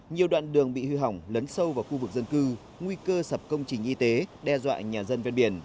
nhiều đoạn đường bị hư hỏng lấn sâu vào khu vực dân cư nguy cơ sập công trình y tế đe dọa nhà dân ven biển